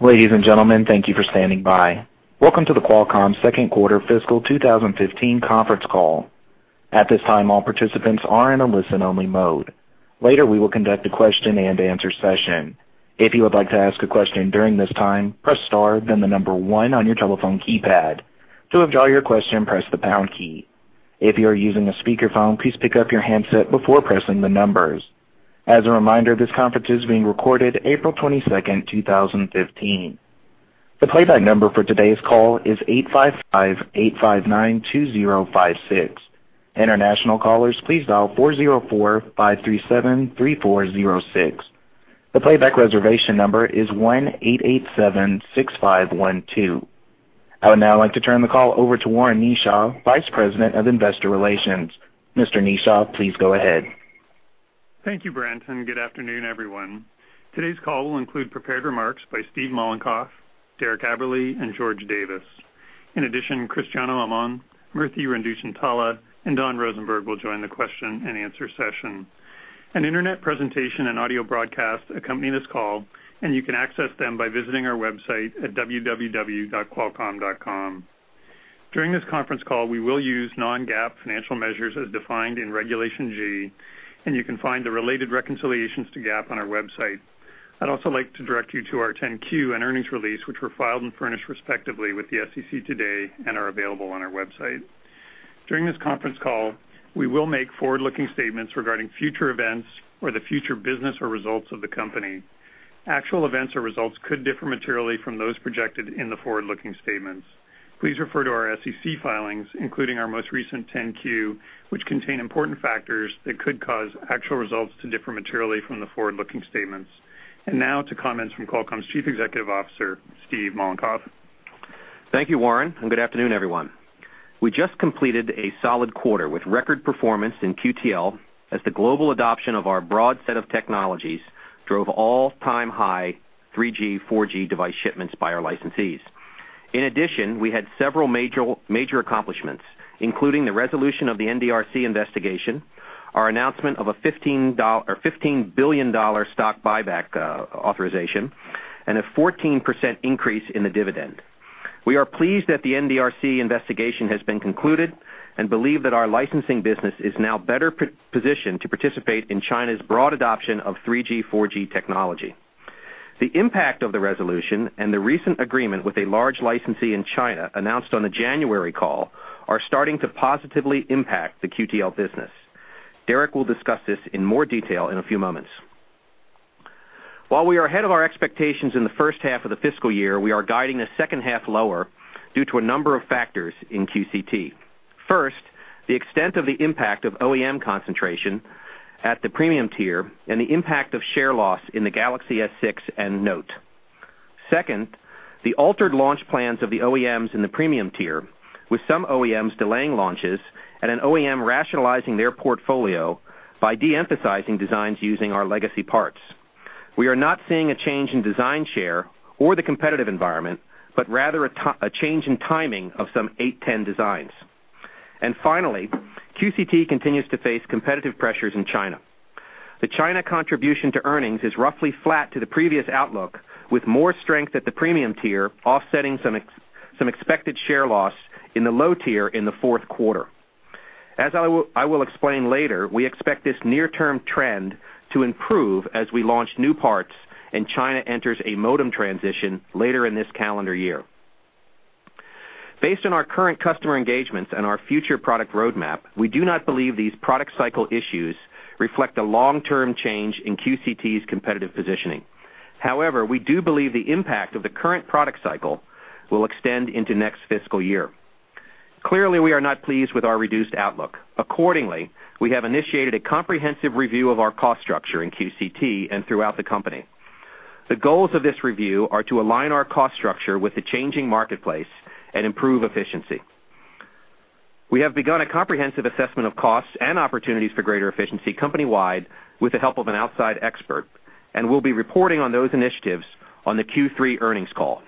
Ladies and gentlemen, thank you for standing by. Welcome to the Qualcomm second quarter fiscal 2015 conference call. At this time, all participants are in a listen-only mode. Later, we will conduct a question-and-answer session. If you would like to ask a question during this time, press star, then the number one on your telephone keypad. To withdraw your question, press the pound key. If you are using a speakerphone, please pick up your handset before pressing the numbers. As a reminder, this conference is being recorded April 22nd, 2015. The playback number for today's call is 855-859-2056. International callers please dial 404-537-3406. The playback reservation number is 1-887-6512. I would now like to turn the call over to Warren Kneeshaw, Vice President of Investor Relations. Mr. Kneeshaw, please go ahead. Thank you, Branson. Good afternoon, everyone. Today's call will include prepared remarks by Steve Mollenkopf, Derek Aberle, and George Davis. In addition, Cristiano Amon, Murthy Renduchintala, and Don Rosenberg will join the question-and-answer session. An internet presentation and audio broadcast accompany this call, and you can access them by visiting our website at www.qualcomm.com. During this conference call, we will use non-GAAP financial measures as defined in Regulation G, and you can find the related reconciliations to GAAP on our website. I'd also like to direct you to our 10-Q and earnings release, which were filed and furnished respectively with the SEC today and are available on our website. During this conference call, we will make forward-looking statements regarding future events or the future business or results of the company. Actual events or results could differ materially from those projected in the forward-looking statements. Please refer to our SEC filings, including our most recent 10-Q, which contain important factors that could cause actual results to differ materially from the forward-looking statements. Now to comments from Qualcomm's Chief Executive Officer, Steve Mollenkopf. Thank you, Warren. Good afternoon, everyone. We just completed a solid quarter with record performance in QTL as the global adoption of our broad set of technologies drove all-time high 3G, 4G device shipments by our licensees. In addition, we had several major accomplishments, including the resolution of the NDRC investigation, our announcement of a $15 billion stock buyback authorization, and a 14% increase in the dividend. We are pleased that the NDRC investigation has been concluded and believe that our licensing business is now better positioned to participate in China's broad adoption of 3G, 4G technology. The impact of the resolution and the recent agreement with a large licensee in China announced on the January call are starting to positively impact the QTL business. Derek will discuss this in more detail in a few moments. While we are ahead of our expectations in the first half of the fiscal year, we are guiding the second half lower due to a number of factors in QCT. First, the extent of the impact of OEM concentration at the premium tier and the impact of share loss in the Galaxy S6 and Note. Second, the altered launch plans of the OEMs in the premium tier, with some OEMs delaying launches and an OEM rationalizing their portfolio by de-emphasizing designs using our legacy parts. We are not seeing a change in design share or the competitive environment, but rather a change in timing of some 810 designs. Finally, QCT continues to face competitive pressures in China. The China contribution to earnings is roughly flat to the previous outlook, with more strength at the premium tier offsetting some expected share loss in the low tier in the fourth quarter. As I will explain later, we expect this near-term trend to improve as we launch new parts and China enters a modem transition later in this calendar year. Based on our current customer engagements and our future product roadmap, we do not believe these product cycle issues reflect a long-term change in QCT's competitive positioning. We do believe the impact of the current product cycle will extend into next fiscal year. Clearly, we are not pleased with our reduced outlook. Accordingly, we have initiated a comprehensive review of our cost structure in QCT and throughout the company. The goals of this review are to align our cost structure with the changing marketplace and improve efficiency. We have begun a comprehensive assessment of costs and opportunities for greater efficiency company-wide with the help of an outside expert, and we will be reporting on those initiatives on the Q3 earnings call.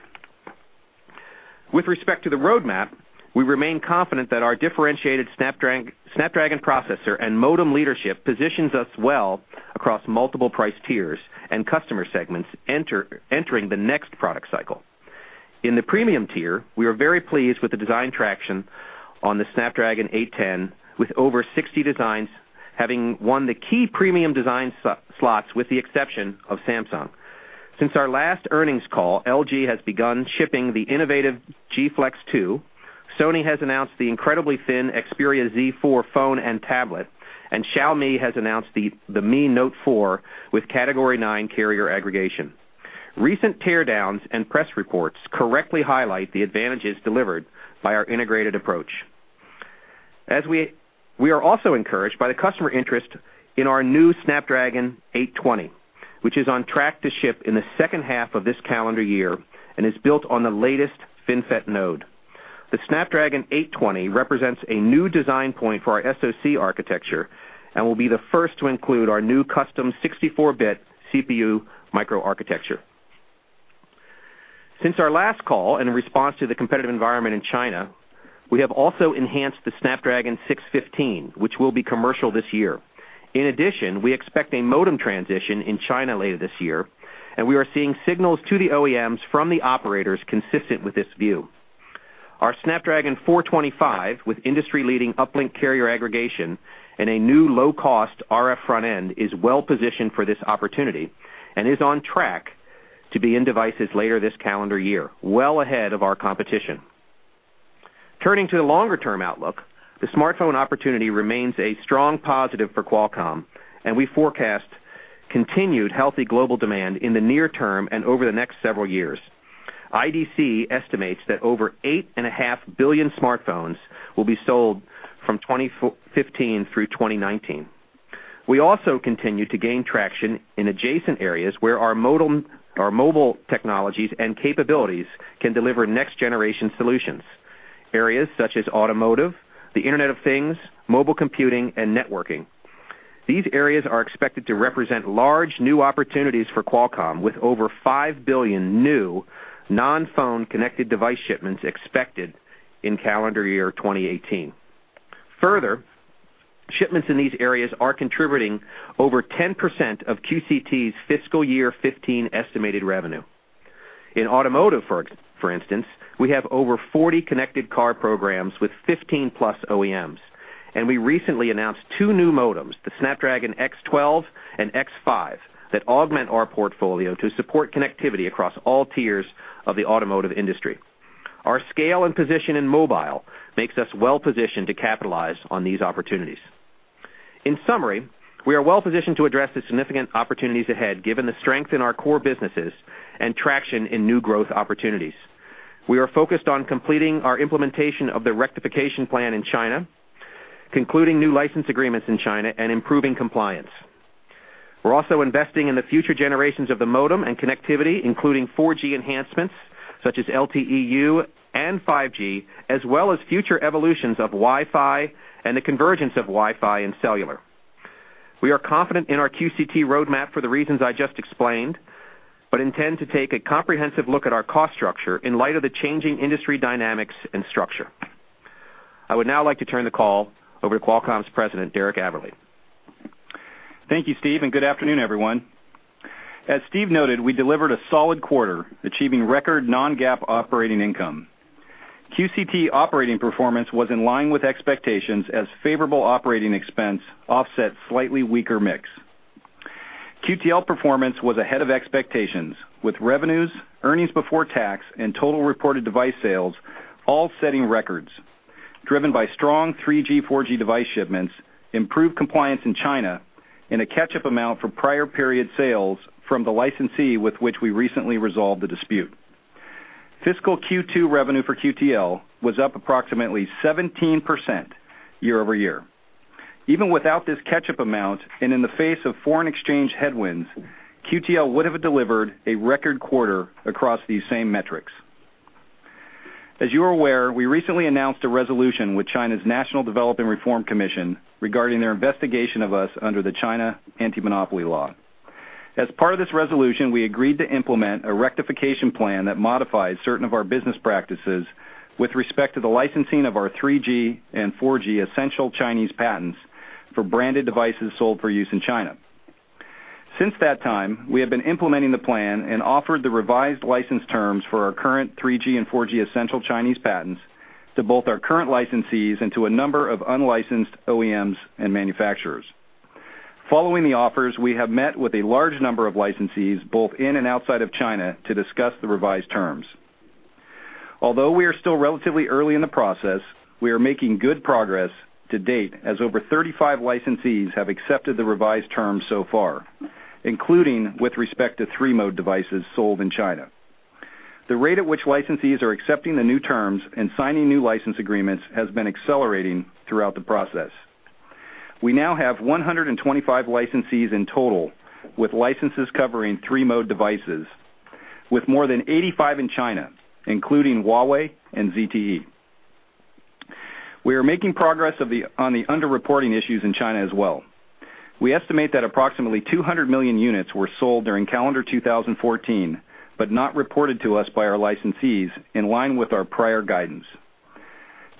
With respect to the roadmap, we remain confident that our differentiated Snapdragon processor and modem leadership positions us well across multiple price tiers and customer segments entering the next product cycle. In the premium tier, we are very pleased with the design traction on the Snapdragon 810, with over 60 designs having won the key premium design slots with the exception of Samsung. Since our last earnings call, LG has begun shipping the innovative G Flex 2, Sony has announced the incredibly thin Xperia Z4 phone and tablet. Xiaomi has announced the Mi Note 4 with Category 9 carrier aggregation. Recent teardowns and press reports correctly highlight the advantages delivered by our integrated approach. We are also encouraged by the customer interest in our new Snapdragon 820, which is on track to ship in the second half of this calendar year and is built on the latest FinFET node. The Snapdragon 820 represents a new design point for our SoC architecture and will be the first to include our new custom 64-bit CPU microarchitecture. Since our last call, in response to the competitive environment in China, we have also enhanced the Snapdragon 615, which will be commercial this year. In addition, we expect a modem transition in China later this year, and we are seeing signals to the OEMs from the operators consistent with this view. Our Snapdragon 425, with industry-leading uplink carrier aggregation and a new low-cost RF front end, is well positioned for this opportunity and is on track to be in devices later this calendar year, well ahead of our competition. Turning to the longer-term outlook, the smartphone opportunity remains a strong positive for Qualcomm, and we forecast continued healthy global demand in the near term and over the next several years. IDC estimates that over 8.5 billion smartphones will be sold from 2015 through 2019. We also continue to gain traction in adjacent areas where our mobile technologies and capabilities can deliver next-generation solutions, areas such as automotive, the Internet of Things, mobile computing, and networking. These areas are expected to represent large new opportunities for Qualcomm, with over 5 billion new non-phone connected device shipments expected in calendar year 2018. Further, shipments in these areas are contributing over 10% of QCT's fiscal year 2015 estimated revenue. In automotive, for instance, we have over 40 connected car programs with 15-plus OEMs, and we recently announced two new modems, the Snapdragon X12 and X5, that augment our portfolio to support connectivity across all tiers of the automotive industry. Our scale and position in mobile makes us well positioned to capitalize on these opportunities. In summary, we are well positioned to address the significant opportunities ahead given the strength in our core businesses and traction in new growth opportunities. We are focused on completing our implementation of the rectification plan in China, concluding new license agreements in China, and improving compliance. We're also investing in the future generations of the modem and connectivity, including 4G enhancements such as LTE-U and 5G, as well as future evolutions of Wi-Fi and the convergence of Wi-Fi and cellular. We are confident in our QCT roadmap for the reasons I just explained, but intend to take a comprehensive look at our cost structure in light of the changing industry dynamics and structure. I would now like to turn the call over to Qualcomm's President, Derek Aberle. Thank you, Steve, and good afternoon, everyone. As Steve noted, we delivered a solid quarter, achieving record non-GAAP operating income. QCT operating performance was in line with expectations as favorable operating expense offset slightly weaker mix. QTL performance was ahead of expectations, with revenues, earnings before tax, and total reported device sales all setting records, driven by strong 3G, 4G device shipments, improved compliance in China, and a catch-up amount for prior period sales from the licensee with which we recently resolved the dispute. Fiscal Q2 revenue for QTL was up approximately 17% year-over-year. Even without this catch-up amount and in the face of foreign exchange headwinds, QTL would have delivered a record quarter across these same metrics. As you are aware, we recently announced a resolution with China's National Development and Reform Commission regarding their investigation of us under the China Anti-Monopoly Law. As part of this resolution, we agreed to implement a rectification plan that modifies certain of our business practices with respect to the licensing of our 3G and 4G essential Chinese patents for branded devices sold for use in China. Since that time, we have been implementing the plan and offered the revised license terms for our current 3G and 4G essential Chinese patents to both our current licensees and to a number of unlicensed OEMs and manufacturers. Following the offers, we have met with a large number of licensees, both in and outside of China, to discuss the revised terms. Although we are still relatively early in the process, we are making good progress to date as over 35 licensees have accepted the revised terms so far, including with respect to three-mode devices sold in China. The rate at which licensees are accepting the new terms and signing new license agreements has been accelerating throughout the process. We now have 125 licensees in total with licenses covering three-mode devices, with more than 85 in China, including Huawei and ZTE. We are making progress on the underreporting issues in China as well. We estimate that approximately 200 million units were sold during calendar 2014 but not reported to us by our licensees, in line with our prior guidance.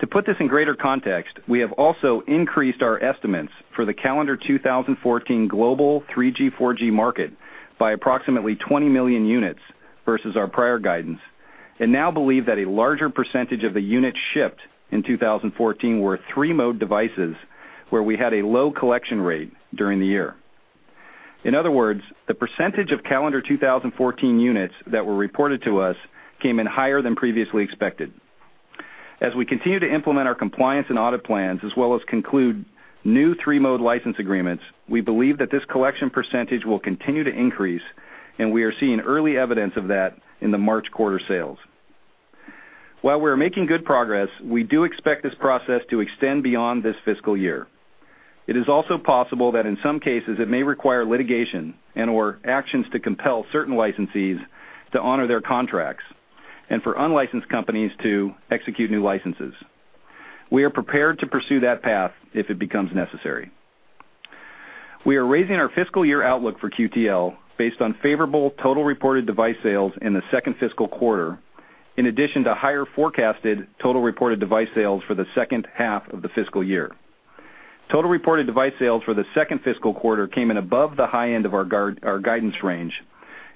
To put this in greater context, we have also increased our estimates for the calendar 2014 global 3G, 4G market by approximately 20 million units versus our prior guidance and now believe that a larger percentage of the units shipped in 2014 were three-mode devices where we had a low collection rate during the year. In other words, the percentage of calendar 2014 units that were reported to us came in higher than previously expected. As we continue to implement our compliance and audit plans, as well as conclude new three-mode license agreements, we believe that this collection percentage will continue to increase, and we are seeing early evidence of that in the March quarter sales. While we are making good progress, we do expect this process to extend beyond this fiscal year. It is also possible that in some cases it may require litigation and/or actions to compel certain licensees to honor their contracts and for unlicensed companies to execute new licenses. We are prepared to pursue that path if it becomes necessary. We are raising our fiscal year outlook for QTL based on favorable total reported device sales in the second fiscal quarter, in addition to higher forecasted total reported device sales for the second half of the fiscal year. Total reported device sales for the second fiscal quarter came in above the high end of our guidance range,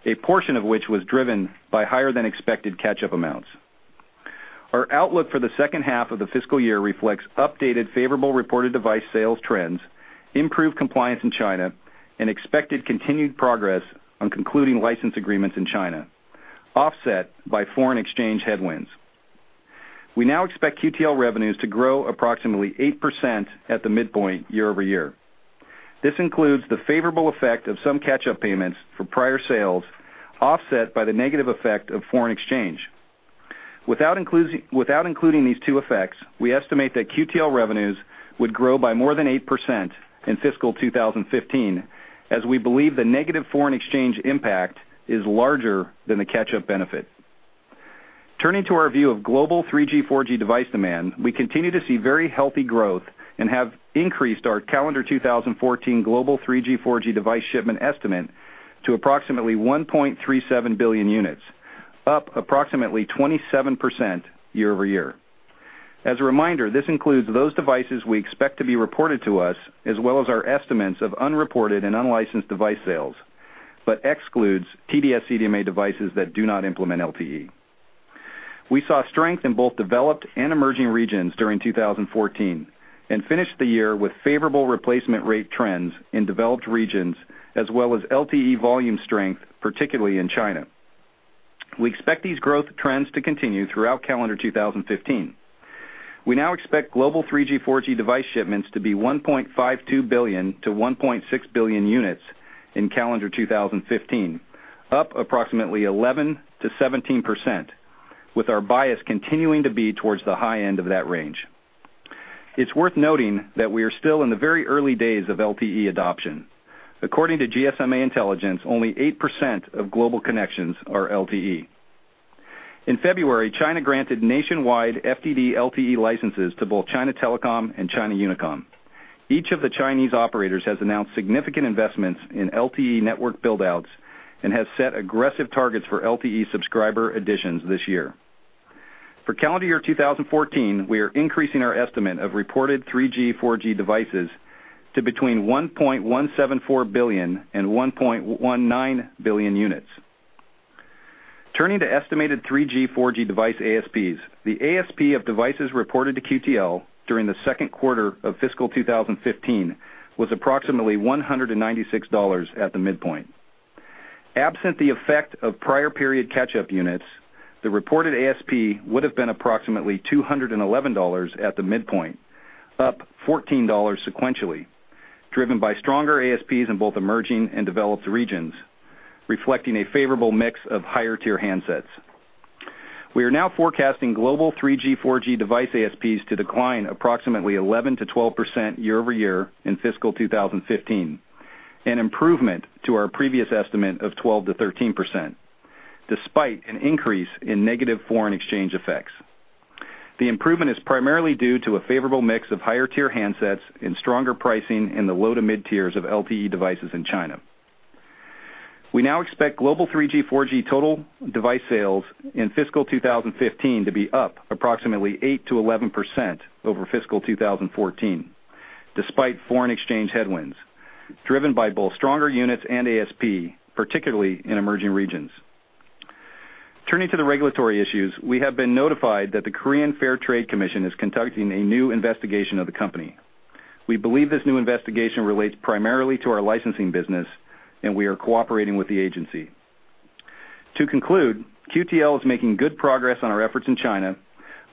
a portion of which was driven by higher than expected catch-up amounts. Our outlook for the second half of the fiscal year reflects updated favorable reported device sales trends, improved compliance in China, and expected continued progress on concluding license agreements in China, offset by foreign exchange headwinds. We now expect QTL revenues to grow approximately 8% at the midpoint year-over-year. This includes the favorable effect of some catch-up payments for prior sales, offset by the negative effect of foreign exchange. Without including these two effects, we estimate that QTL revenues would grow by more than 8% in fiscal 2015, as we believe the negative foreign exchange impact is larger than the catch-up benefit. Turning to our view of global 3G, 4G device demand, we continue to see very healthy growth and have increased our calendar 2014 global 3G, 4G device shipment estimate to approximately 1.37 billion units, up approximately 27% year-over-year. As a reminder, this includes those devices we expect to be reported to us, as well as our estimates of unreported and unlicensed device sales, but excludes TD-SCDMA devices that do not implement LTE. We saw strength in both developed and emerging regions during 2014 and finished the year with favorable replacement rate trends in developed regions as well as LTE volume strength, particularly in China. We expect these growth trends to continue throughout calendar 2015. We now expect global 3G, 4G device shipments to be 1.52 billion-1.6 billion units in calendar 2015, up approximately 11%-17%, with our bias continuing to be towards the high end of that range. It's worth noting that we are still in the very early days of LTE adoption. According to GSMA Intelligence, only 8% of global connections are LTE. In February, China granted nationwide FDD LTE licenses to both China Telecom and China Unicom. Each of the Chinese operators has announced significant investments in LTE network build-outs and has set aggressive targets for LTE subscriber additions this year. For calendar year 2014, we are increasing our estimate of reported 3G, 4G devices to between 1.174 billion and 1.19 billion units. Turning to estimated 3G, 4G device ASPs. The ASP of devices reported to QTL during the second quarter of fiscal 2015 was approximately $196 at the midpoint. Absent the effect of prior period catch-up units, the reported ASP would've been approximately $211 at the midpoint, up $14 sequentially, driven by stronger ASPs in both emerging and developed regions, reflecting a favorable mix of higher tier handsets. We are now forecasting global 3G, 4G device ASPs to decline approximately 11%-12% year-over-year in fiscal 2015, an improvement to our previous estimate of 12%-13%, despite an increase in negative foreign exchange effects. The improvement is primarily due to a favorable mix of higher tier handsets and stronger pricing in the low to mid-tiers of LTE devices in China. We now expect global 3G, 4G total device sales in fiscal 2015 to be up approximately 8%-11% over fiscal 2014, despite foreign exchange headwinds, driven by both stronger units and ASP, particularly in emerging regions. Turning to the regulatory issues, we have been notified that the Korea Fair Trade Commission is conducting a new investigation of the company. We believe this new investigation relates primarily to our licensing business, and we are cooperating with the agency. To conclude, QTL is making good progress on our efforts in China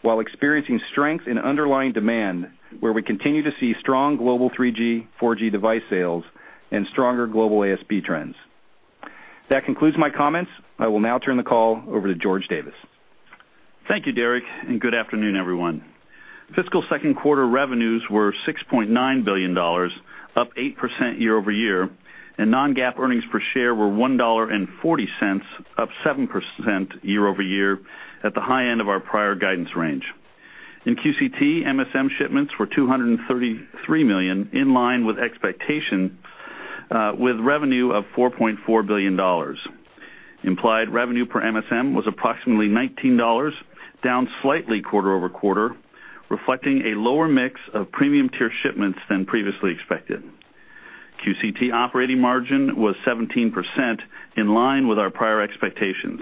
while experiencing strength in underlying demand, where we continue to see strong global 3G, 4G device sales and stronger global ASP trends. That concludes my comments. I will now turn the call over to George Davis. Thank you, Derek, and good afternoon, everyone. Fiscal second quarter revenues were $6.9 billion, up 8% year-over-year, and non-GAAP earnings per share were $1.40, up 7% year-over-year at the high end of our prior guidance range. In QCT, MSM shipments were 233 million in line with expectation, with revenue of $4.4 billion. Implied revenue per MSM was approximately $19, down slightly quarter-over-quarter, reflecting a lower mix of premium tier shipments than previously expected. QCT operating margin was 17%, in line with our prior expectations.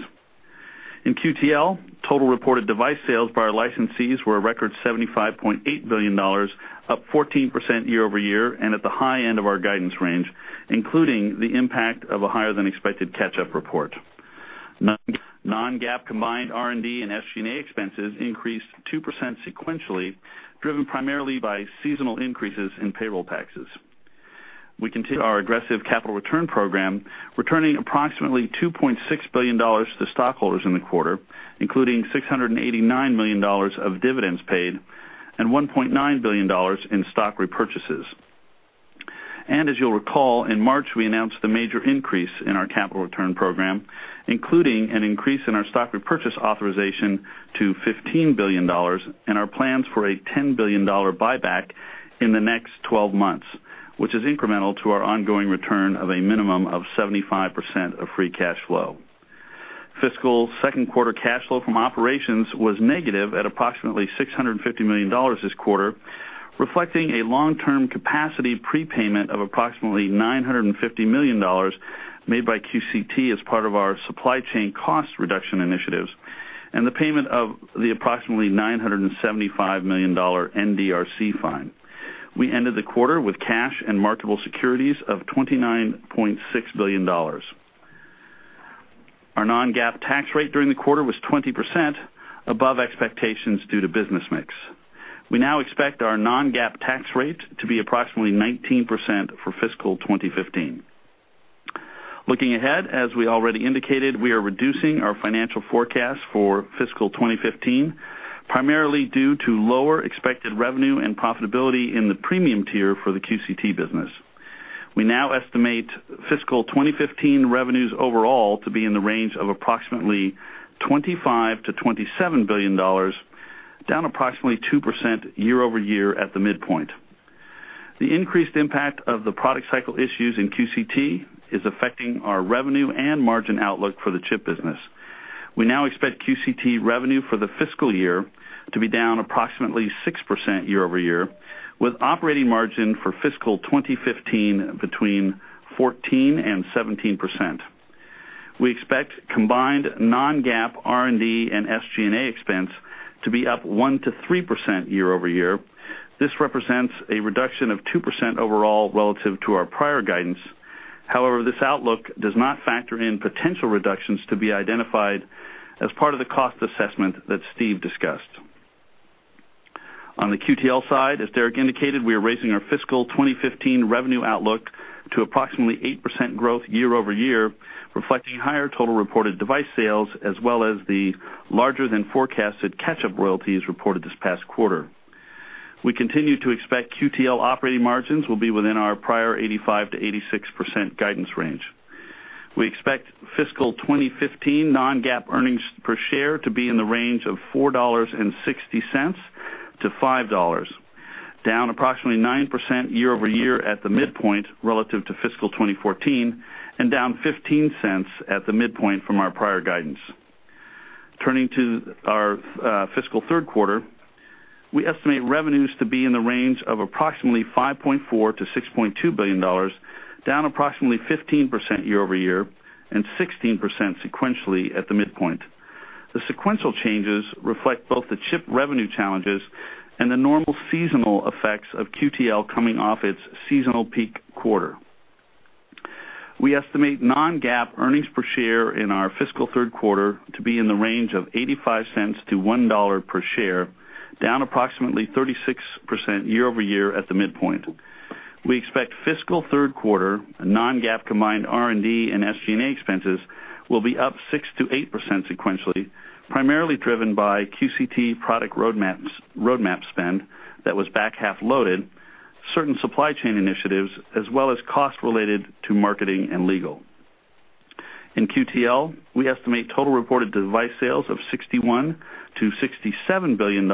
In QTL, total reported device sales by our licensees were a record $75.8 billion, up 14% year-over-year and at the high end of our guidance range, including the impact of a higher than expected catch-up report. Non-GAAP combined R&D and SG&A expenses increased 2% sequentially, driven primarily by seasonal increases in payroll taxes. We continue our aggressive capital return program, returning approximately $2.6 billion to stockholders in the quarter, including $689 million of dividends paid and $1.9 billion in stock repurchases. As you'll recall, in March, we announced a major increase in our capital return program, including an increase in our stock repurchase authorization to $15 billion and our plans for a $10 billion buyback in the next 12 months, which is incremental to our ongoing return of a minimum of 75% of free cash flow. Fiscal second quarter cash flow from operations was negative at approximately $650 million this quarter, reflecting a long-term capacity prepayment of approximately $950 million made by QCT as part of our supply chain cost reduction initiatives and the payment of the approximately $975 million NDRC fine. We ended the quarter with cash and marketable securities of $29.6 billion. Our non-GAAP tax rate during the quarter was 20%, above expectations due to business mix. We now expect our non-GAAP tax rate to be approximately 19% for fiscal 2015. Looking ahead, as we already indicated, we are reducing our financial forecast for fiscal 2015, primarily due to lower expected revenue and profitability in the premium tier for the QCT business. We now estimate fiscal 2015 revenues overall to be in the range of approximately $25 billion-$27 billion, down approximately 2% year-over-year at the midpoint. The increased impact of the product cycle issues in QCT is affecting our revenue and margin outlook for the chip business. We now expect QCT revenue for the fiscal year to be down approximately 6% year-over-year, with operating margin for fiscal 2015 between 14% and 17%. We expect combined non-GAAP R&D and SG&A expense to be up 1%-3% year-over-year. This represents a reduction of 2% overall relative to our prior guidance. However, this outlook does not factor in potential reductions to be identified as part of the cost assessment that Steve discussed. On the QTL side, as Derek indicated, we are raising our fiscal 2015 revenue outlook to approximately 8% growth year-over-year, reflecting higher total reported device sales as well as the larger than forecasted catch-up royalties reported this past quarter. We continue to expect QTL operating margins will be within our prior 85%-86% guidance range. We expect fiscal 2015 non-GAAP earnings per share to be in the range of $4.60-$5, down approximately 9% year-over-year at the midpoint relative to fiscal 2014 and down $0.15 at the midpoint from our prior guidance. Turning to our fiscal third quarter, we estimate revenues to be in the range of approximately $5.4 billion-$6.2 billion, down approximately 15% year-over-year and 16% sequentially at the midpoint. The sequential changes reflect both the chip revenue challenges and the normal seasonal effects of QTL coming off its seasonal peak quarter. We estimate non-GAAP earnings per share in our fiscal third quarter to be in the range of $0.85-$1 per share, down approximately 36% year-over-year at the midpoint. We expect fiscal third quarter non-GAAP combined R&D and SG&A expenses will be up 6%-8% sequentially, primarily driven by QCT product roadmap spend that was back-half loaded, certain supply chain initiatives, as well as costs related to marketing and legal. In QTL, we estimate total reported device sales of $61 billion-$67 billion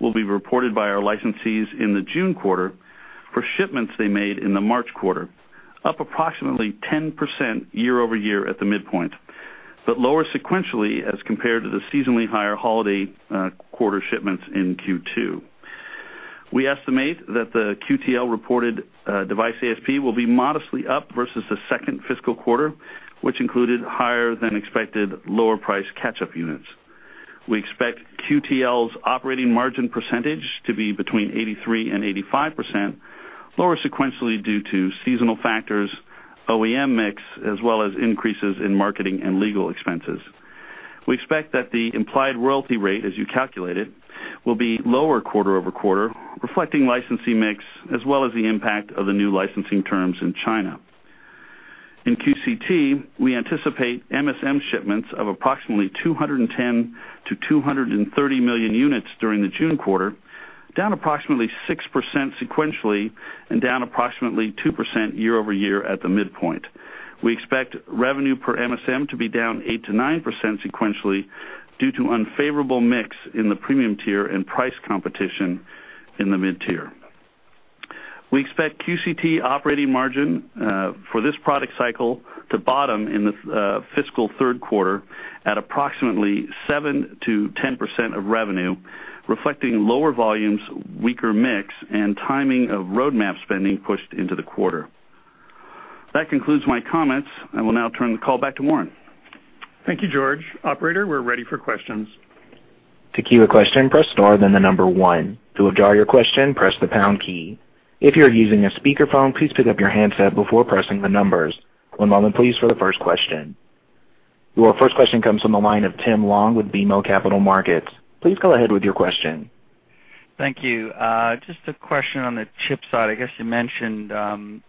will be reported by our licensees in the June quarter for shipments they made in the March quarter, up approximately 10% year-over-year at the midpoint, but lower sequentially as compared to the seasonally higher holiday quarter shipments in Q2. We estimate that the QTL reported device ASP will be modestly up versus the second fiscal quarter, which included higher than expected lower price catch-up units. We expect QTL's operating margin percentage to be between 83%-85%, lower sequentially due to seasonal factors, OEM mix, as well as increases in marketing and legal expenses. We expect that the implied royalty rate, as you calculate it, will be lower quarter-over-quarter, reflecting licensing mix as well as the impact of the new licensing terms in China. In QCT, we anticipate MSM shipments of approximately 210 million-230 million units during the June quarter, down approximately 6% sequentially and down approximately 2% year-over-year at the midpoint. We expect revenue per MSM to be down 8%-9% sequentially due to unfavorable mix in the premium tier and price competition in the mid-tier. We expect QCT operating margin for this product cycle to bottom in the fiscal third quarter at approximately 7%-10% of revenue, reflecting lower volumes, weaker mix, and timing of roadmap spending pushed into the quarter. That concludes my comments. I will now turn the call back to Warren. Thank you, George. Operator, we're ready for questions. To queue a question, press star 1. To withdraw your question, press the pound key. If you are using a speakerphone, please pick up your handset before pressing the numbers. One moment please for the first question. Your first question comes from the line of Tim Long with BMO Capital Markets. Please go ahead with your question. Thank you. Just a question on the chip side. I guess you mentioned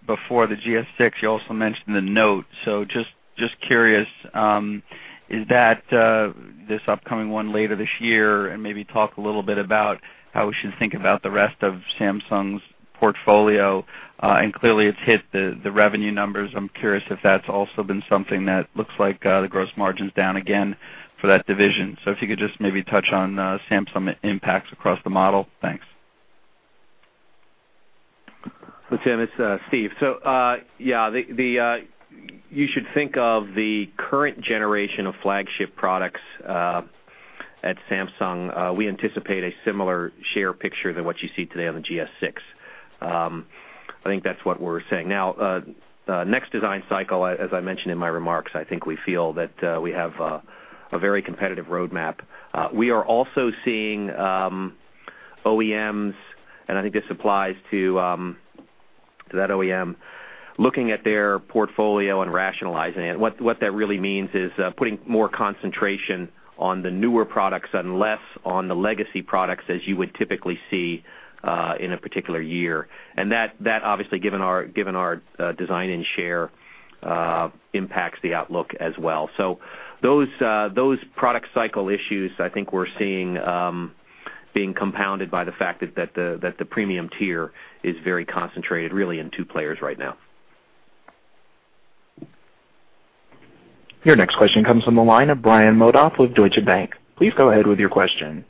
before the GS6, you also mentioned the Note. Just curious, is that this upcoming one later this year? Maybe talk a little bit about how we should think about the rest of Samsung's portfolio. Clearly, it's hit the revenue numbers. I'm curious if that's also been something that looks like the gross margin's down again for that division. If you could just maybe touch on Samsung impacts across the model. Thanks. Well, Tim, it's Steve. You should think of the current generation of flagship products at Samsung. We anticipate a similar share picture than what you see today on the GS6. I think that's what we're saying. Next design cycle, as I mentioned in my remarks, I think we feel that we have a very competitive roadmap. We are also seeing OEMs, and I think this applies to that OEM, looking at their portfolio and rationalizing it. What that really means is putting more concentration on the newer products and less on the legacy products as you would typically see in a particular year. That obviously, given our design and share, impacts the outlook as well. Those product cycle issues, I think we're seeing being compounded by the fact that the premium tier is very concentrated, really, in two players right now. Your next question comes from the line of Brian Modoff with Deutsche Bank. Please go ahead with your question.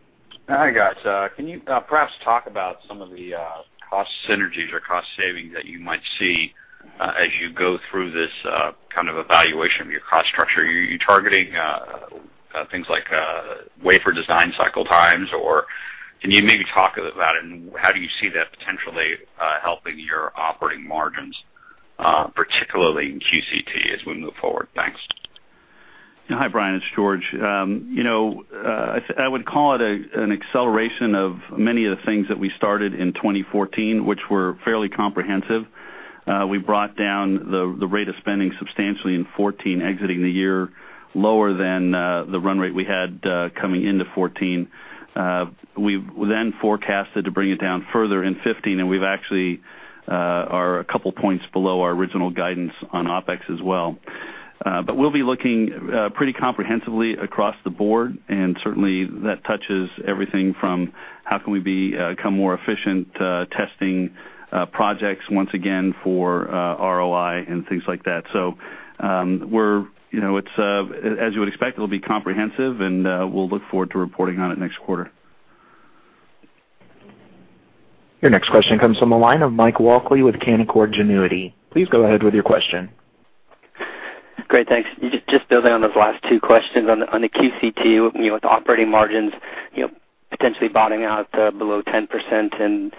Hi, guys. Can you perhaps talk about some of the cost synergies or cost savings that you might see as you go through this kind of evaluation of your cost structure? Are you targeting things like wafer design cycle times, or can you maybe talk about it and how do you see that potentially helping your operating margins, particularly in QCT as we move forward? Thanks. Hi, Brian, it's George. I would call it an acceleration of many of the things that we started in 2014, which were fairly comprehensive. We brought down the rate of spending substantially in 2014, exiting the year lower than the run rate we had coming into 2014. We then forecasted to bring it down further in 2015, and we actually are a couple of points below our original guidance on OpEx as well. We'll be looking pretty comprehensively across the board, and certainly that touches everything from how can we become more efficient, testing projects once again for ROI and things like that. As you would expect, it'll be comprehensive and we'll look forward to reporting on it next quarter. Your next question comes from the line of Mike Walkley with Canaccord Genuity. Please go ahead with your question. Great. Thanks. Just building on those last two questions on the QCT, with operating margins potentially bottoming out below 10%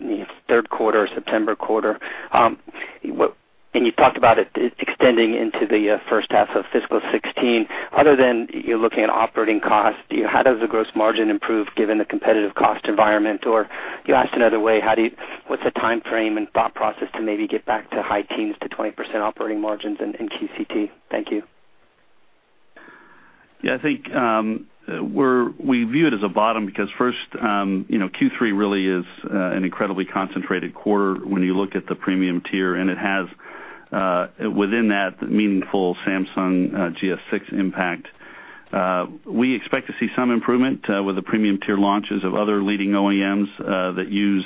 in the third quarter, September quarter. You talked about it extending into the first half of fiscal 2016. Other than you looking at operating costs, how does the gross margin improve given the competitive cost environment? Or asked another way, what's the timeframe and thought process to maybe get back to high teens to 20% operating margins in QCT? Thank you. Yeah, I think we view it as a bottom because first, Q3 really is an incredibly concentrated quarter when you look at the premium tier, and it has within that meaningful Samsung GS6 impact. We expect to see some improvement with the premium tier launches of other leading OEMs that use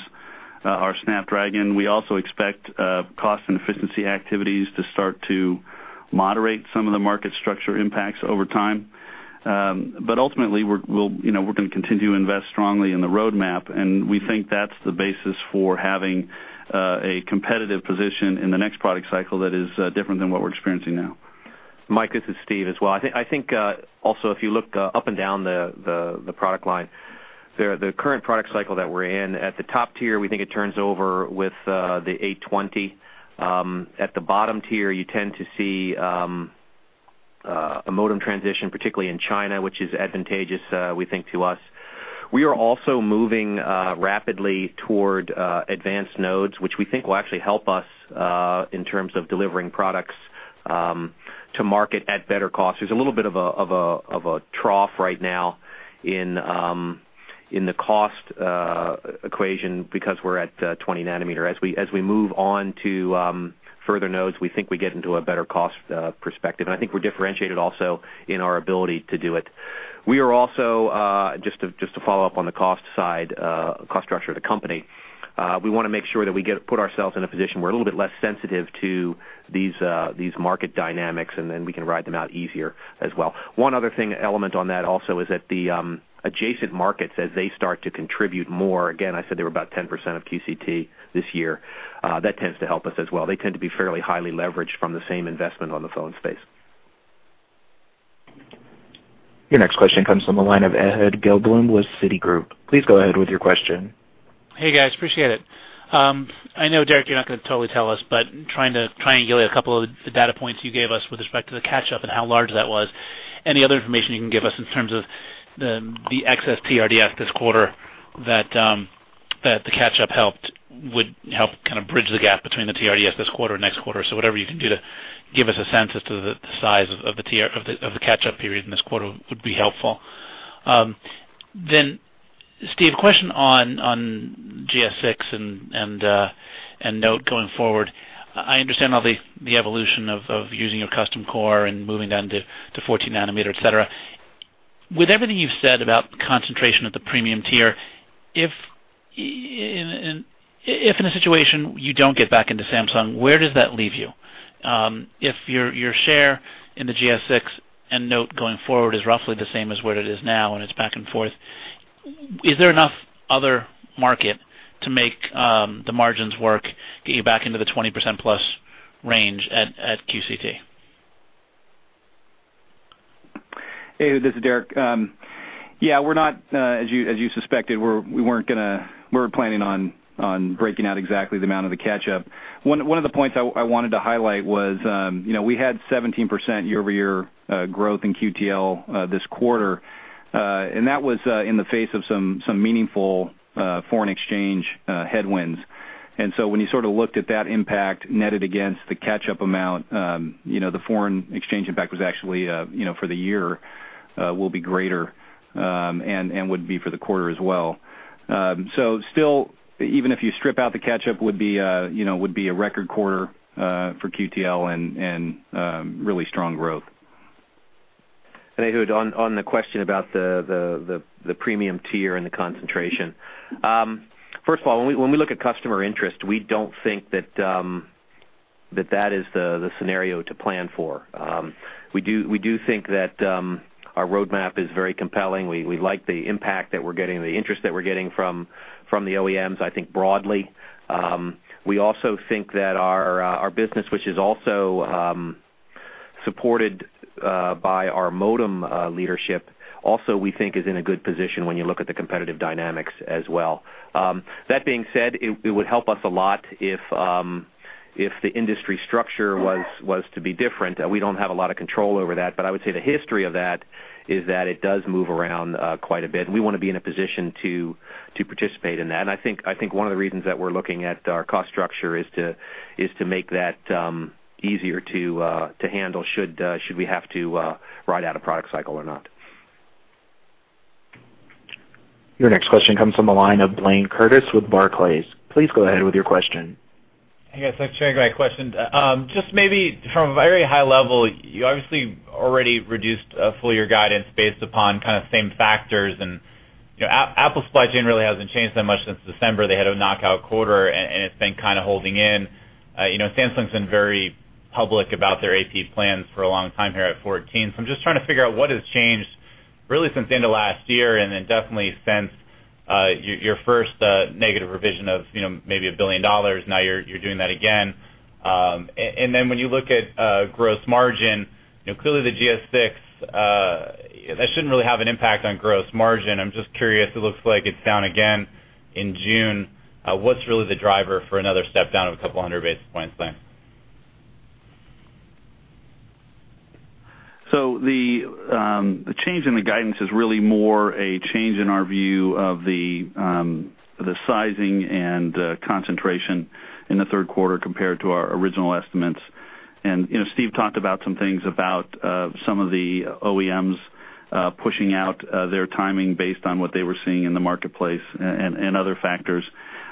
our Snapdragon. We also expect cost and efficiency activities to start to moderate some of the market structure impacts over time. Ultimately, we're going to continue to invest strongly in the roadmap, and we think that's the basis for having a competitive position in the next product cycle that is different than what we're experiencing now. Mike, this is Steve as well. If you look up and down the product line, the current product cycle that we're in, at the top tier, we think it turns over with the 820. At the bottom tier, you tend to see a modem transition, particularly in China, which is advantageous, we think, to us. We are also moving rapidly toward advanced nodes, which we think will actually help us in terms of delivering products to market at better cost. There's a little bit of a trough right now in the cost equation because we're at 20 nanometer. We move on to further nodes, we think we get into a better cost perspective, and I think we're differentiated also in our ability to do it. To follow up on the cost side, cost structure of the company, we want to make sure that we put ourselves in a position we're a little bit less sensitive to these market dynamics, we can ride them out easier as well. One other element on that also is that the adjacent markets, as they start to contribute more, again, I said they were about 10% of QCT this year, that tends to help us as well. They tend to be fairly highly leveraged from the same investment on the phone space. Your next question comes from the line of Ehud Gelblum with Citigroup. Please go ahead with your question. Hey, guys, appreciate it. Derek, you're not going to totally tell us, trying to triangulate a couple of the data points you gave us with respect to the catch-up and how large that was. Any other information you can give us in terms of the excess TRDF this quarter that the catch-up helped would help kind of bridge the gap between the TRDF this quarter and next quarter. Whatever you can do to give us a sense as to the size of the catch-up period in this quarter would be helpful. Steve, question on GS6 and Note going forward. I understand all the evolution of using your custom core and moving down to 14 nanometer, et cetera. With everything you've said about concentration at the premium tier, if in a situation you don't get back into Samsung, where does that leave you? If your share in the Galaxy S6 and Galaxy Note going forward is roughly the same as what it is now, and it's back and forth, is there enough other market to make the margins work, get you back into the 20% plus range at QCT? Hey, Ehud, this is Derek. Yeah, we're not, as you suspected, we weren't planning on breaking out exactly the amount of the catch-up. One of the points I wanted to highlight was we had 17% year-over-year growth in QTL this quarter, that was in the face of some meaningful foreign exchange headwinds. When you looked at that impact netted against the catch-up amount, the foreign exchange impact was actually, for the year, will be greater, and would be for the quarter as well. Still, even if you strip out the catch-up, would be a record quarter for QTL and really strong growth. Hey, Ehud, on the question about the premium tier and the concentration. First of all, when we look at customer interest, we don't think that is the scenario to plan for. We do think that our roadmap is very compelling. We like the impact that we're getting and the interest that we're getting from the OEMs, I think broadly. We also think that our business, which is also supported by our modem leadership, also, we think is in a good position when you look at the competitive dynamics as well. That being said, it would help us a lot if the industry structure was to be different. We don't have a lot of control over that, I would say the history of that is that it does move around quite a bit, and we want to be in a position to participate in that. I think one of the reasons that we're looking at our cost structure is to make that easier to handle should we have to ride out a product cycle or not. Your next question comes from the line of Blayne Curtis with Barclays. Please go ahead with your question. Hey guys, thanks very great question. Maybe from a very high level, you obviously already reduced a full year guidance based upon same factors. Apple supply chain really hasn't changed that much since December. They had a knockout quarter, and it's been holding in. Samsung's been very public about their AP plans for a long time here at 14. I'm just trying to figure out what has changed really since the end of last year and then definitely since your first negative revision of maybe $1 billion. Now you're doing that again. When you look at gross margin, clearly the GS6, that shouldn't really have an impact on gross margin. I'm just curious, it looks like it's down again in June. What's really the driver for another step down of a couple hundred basis points then? The change in the guidance is really more a change in our view of the sizing and the concentration in the third quarter compared to our original estimates. Steve talked about some things about some of the OEMs pushing out their timing based on what they were seeing in the marketplace and other factors.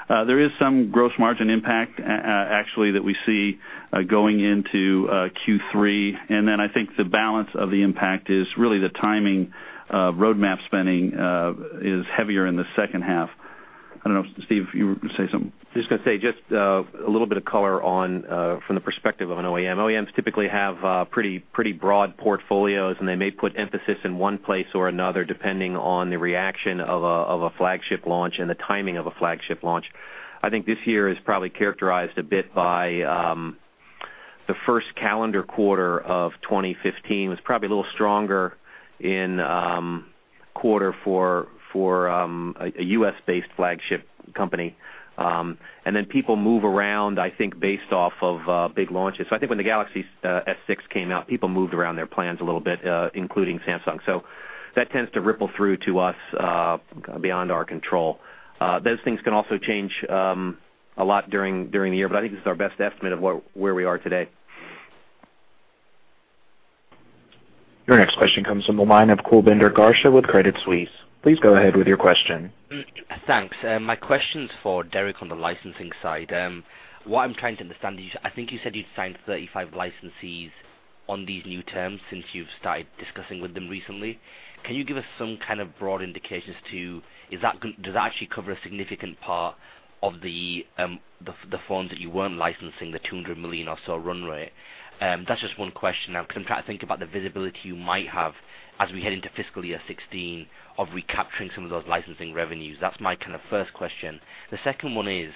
There is some gross margin impact, actually, that we see going into Q3. I think the balance of the impact is really the timing of roadmap spending is heavier in the second half. I don't know, Steve, if you were going to say something. Going to say just a little bit of color from the perspective of an OEM. OEMs typically have pretty broad portfolios, and they may put emphasis in one place or another, depending on the reaction of a flagship launch and the timing of a flagship launch. I think this year is probably characterized a bit by the first calendar quarter of 2015, was probably a little stronger in quarter for a U.S.-based flagship company. People move around, I think, based off of big launches. I think when the Galaxy S6 came out, people moved around their plans a little bit, including Samsung. That tends to ripple through to us beyond our control. Those things can also change a lot during the year, but I think this is our best estimate of where we are today. Your next question comes from the line of Kulbinder Garcha with Credit Suisse. Please go ahead with your question. Thanks. My question's for Derek on the licensing side. What I'm trying to understand is, I think you said you'd signed 35 licensees on these new terms since you've started discussing with them recently. Can you give us some kind of broad indications to, does that actually cover a significant part of the phones that you weren't licensing, the $200 million or so run rate? That's just one question. I'm trying to think about the visibility you might have as we head into fiscal year 2016 of recapturing some of those licensing revenues. That's my first question. The second one is,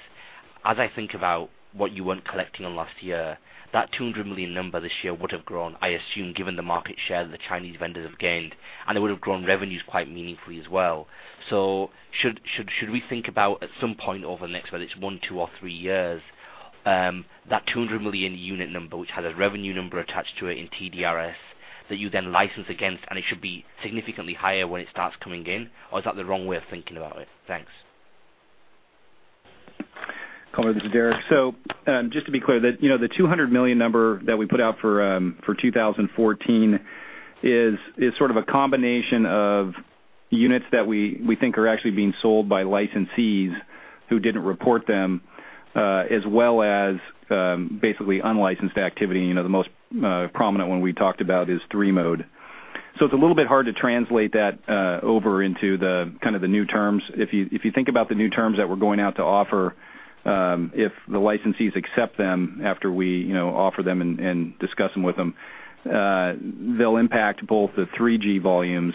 as I think about what you weren't collecting on last year, that $200 million number this year would have grown, I assume, given the market share that the Chinese vendors have gained, and it would have grown revenues quite meaningfully as well. Should we think about at some point over the next, whether it's one, two, or three years, that 200 million unit number, which has a revenue number attached to it in TDS, that you then license against, and it should be significantly higher when it starts coming in? Or is that the wrong way of thinking about it? Thanks. Kulbinder, this is Derek. Just to be clear, the 200 million number that we put out for 2014 is sort of a combination of units that we think are actually being sold by licensees who didn't report them, as well as basically unlicensed activity. The most prominent one we talked about is three mode. It's a little bit hard to translate that over into the new terms. If you think about the new terms that we're going out to offer, if the licensees accept them after we offer them and discuss them with them, they'll impact both the 3G volumes,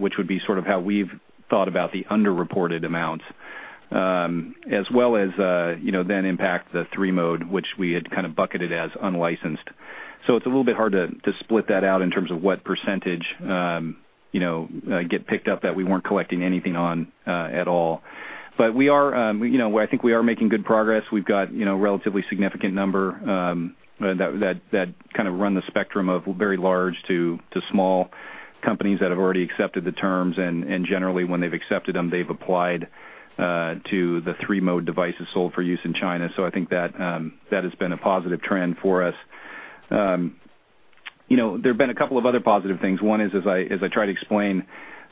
which would be sort of how we've thought about the underreported amounts As well as then impact the three-mode, which we had bucketed as unlicensed. It's a little bit hard to split that out in terms of what percentage gets picked up that we weren't collecting anything on at all. I think we are making good progress. We've got relatively significant number that run the spectrum of very large to small companies that have already accepted the terms, and generally, when they've accepted them, they've applied to the three-mode devices sold for use in China. I think that has been a positive trend for us. There have been a couple of other positive things. One is, as I try to explain,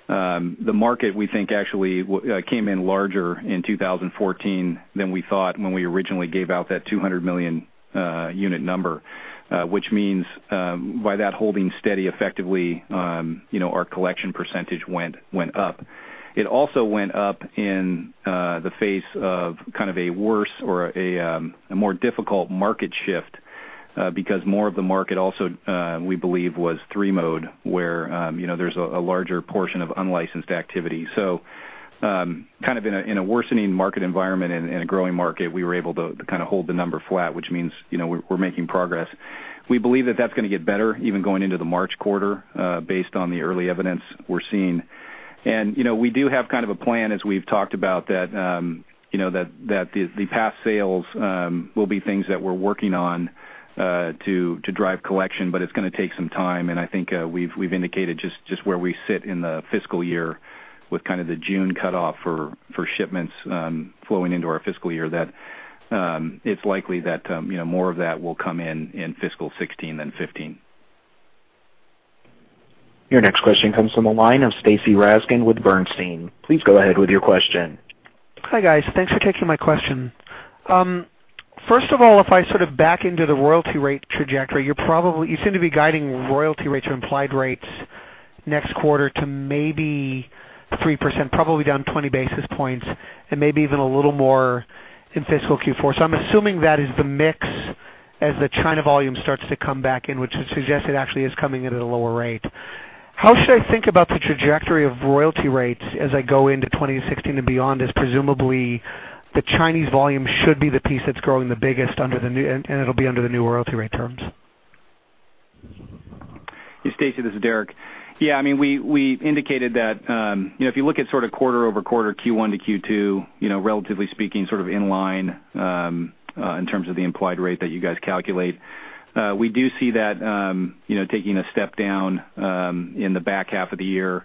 the market we think actually came in larger in 2014 than we thought when we originally gave out that 200 million unit number, which means by that holding steady effectively, our collection percentage went up. It also went up in the face of a worse or a more difficult market shift, because more of the market also, we believe, was three-mode, where there's a larger portion of unlicensed activity. In a worsening market environment and a growing market, we were able to hold the number flat, which means we're making progress. We believe that's going to get better even going into the March quarter, based on the early evidence we're seeing. We do have a plan, as we've talked about, that the past sales will be things that we're working on to drive collection, but it's going to take some time, and I think we've indicated just where we sit in the fiscal year with the June cutoff for shipments flowing into our fiscal year, that it's likely that more of that will come in in fiscal 2016 than 2015. Your next question comes from the line of Stacy Rasgon with Bernstein. Please go ahead with your question. Hi, guys. Thanks for taking my question. First of all, if I back into the royalty rate trajectory, you seem to be guiding royalty rates or implied rates next quarter to maybe 3%, probably down 20 basis points and maybe even a little more in fiscal Q4. I'm assuming that is the mix as the China volume starts to come back in, which would suggest it actually is coming in at a lower rate. How should I think about the trajectory of royalty rates as I go into 2016 and beyond, as presumably the Chinese volume should be the piece that's growing the biggest, and it'll be under the new royalty rate terms? Hey, Stacy, this is Derek. Yeah, we indicated that if you look at quarter-over-quarter Q1 to Q2, relatively speaking sort of in line, in terms of the implied rate that you guys calculate. We do see that taking a step down in the back half of the year.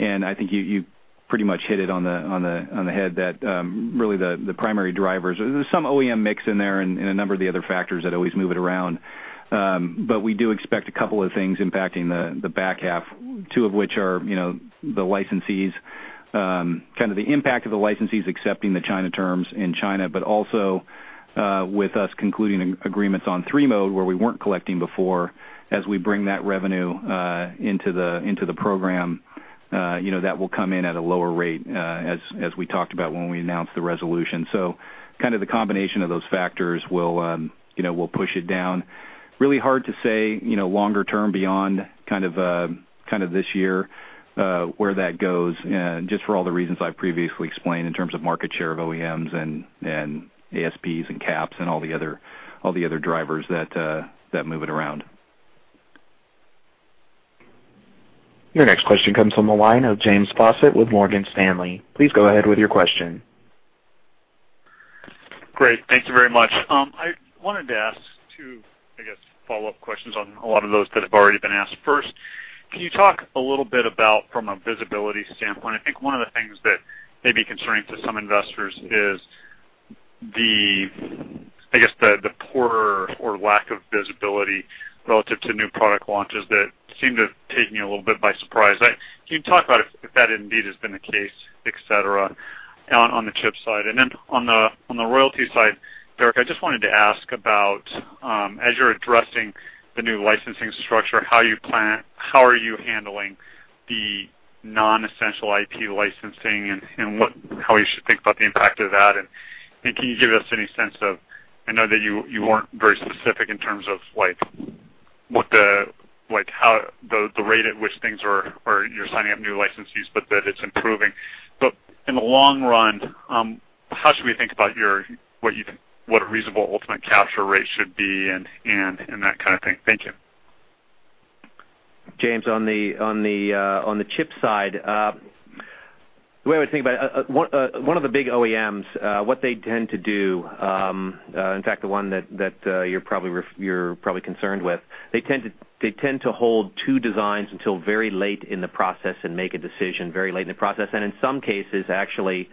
I think you pretty much hit it on the head that really the primary drivers, there's some OEM mix in there and a number of the other factors that always move it around. We do expect a couple of things impacting the back half, two of which are the licensees, kind of the impact of the licensees accepting the China terms in China, but also, with us concluding agreements on three mode where we weren't collecting before, as we bring that revenue into the program that will come in at a lower rate, as we talked about when we announced the resolution. The combination of those factors will push it down. Really hard to say longer term beyond this year, where that goes, just for all the reasons I previously explained in terms of market share of OEMs and ASPs and caps and all the other drivers that move it around. Your next question comes from the line of James Faucette with Morgan Stanley. Please go ahead with your question. Great. Thank you very much. I wanted to ask two, I guess, follow-up questions on a lot of those that have already been asked. First, can you talk a little bit about from a visibility standpoint, I think one of the things that may be concerning to some investors is the poorer or lack of visibility relative to new product launches that seem to have taken you a little bit by surprise. Can you talk about if that indeed has been the case, et cetera, on the chip side? Derek, I just wanted to ask about, as you're addressing the new licensing structure, how are you handling the non-essential IP licensing and how we should think about the impact of that, and can you give us any sense of, I know that you weren't very specific in terms of the rate at which things are, or you're signing up new licensees, but that it's improving. In the long run, how should we think about what a reasonable ultimate capture rate should be and that kind of thing? Thank you. James, on the chip side, the way I would think about it, one of the big OEMs, what they tend to do, in fact, the one that you're probably concerned with, they tend to hold two designs until very late in the process and make a decision very late in the process, and in some cases actually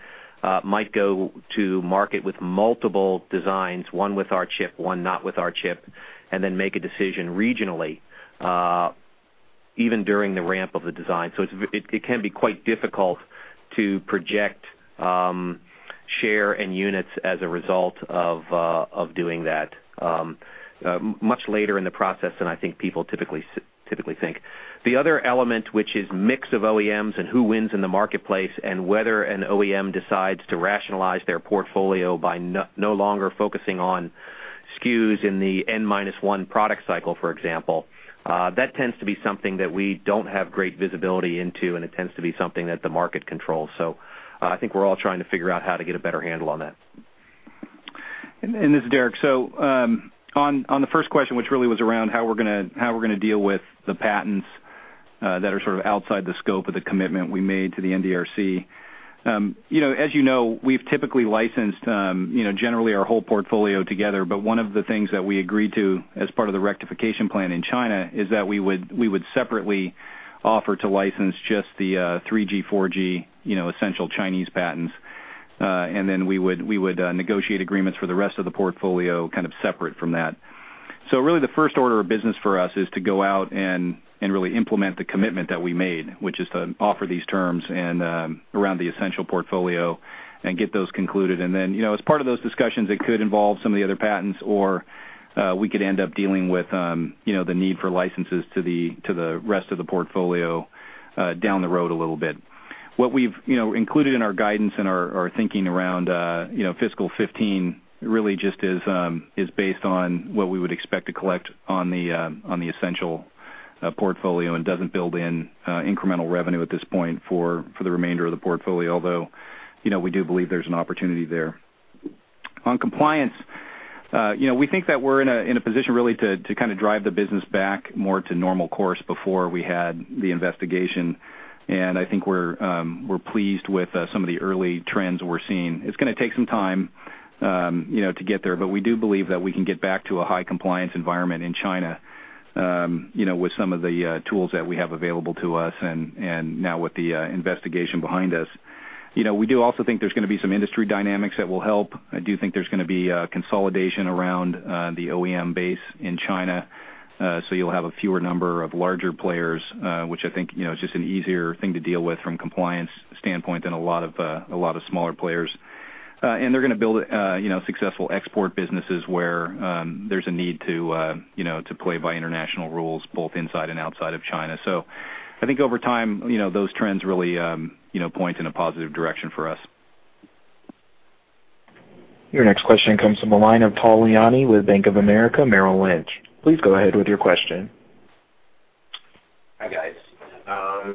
might go to market with multiple designs, one with our chip, one not with our chip, and then make a decision regionally, even during the ramp of the design. It can be quite difficult to project share and units as a result of doing that much later in the process than I think people typically think. The other element, which is mix of OEMs and who wins in the marketplace, and whether an OEM decides to rationalize their portfolio by no longer focusing on SKUs in the N minus one product cycle, for example, that tends to be something that we don't have great visibility into, and it tends to be something that the market controls. I think we're all trying to figure out how to get a better handle on that. This is Derek. On the first question, which really was around how we're going to deal with the patents that are sort of outside the scope of the commitment we made to the NDRC. As you know, we've typically licensed generally our whole portfolio together, but one of the things that we agreed to as part of the rectification plan in China is that we would separately offer to license just the 3G, 4G, essential Chinese patents, and then we would negotiate agreements for the rest of the portfolio kind of separate from that. Really the first order of business for us is to go out and really implement the commitment that we made, which is to offer these terms and around the essential portfolio and get those concluded. As part of those discussions, it could involve some of the other patents or we could end up dealing with the need for licenses to the rest of the portfolio down the road a little bit. What we've included in our guidance and our thinking around fiscal 2015 really just is based on what we would expect to collect on the essential portfolio and doesn't build in incremental revenue at this point for the remainder of the portfolio. We do believe there's an opportunity there. On compliance, we think that we're in a position really to drive the business back more to normal course before we had the investigation, and I think we're pleased with some of the early trends we're seeing. It's going to take some time to get there, we do believe that we can get back to a high compliance environment in China with some of the tools that we have available to us and now with the investigation behind us. We do also think there's going to be some industry dynamics that will help. I do think there's going to be a consolidation around the OEM base in China. You'll have a fewer number of larger players, which I think, is just an easier thing to deal with from compliance standpoint than a lot of smaller players. They're going to build successful export businesses where there's a need to play by international rules both inside and outside of China. I think over time, those trends really point in a positive direction for us. Your next question comes from the line of Tal Liani with Bank of America Merrill Lynch. Please go ahead with your question. Hi, guys. I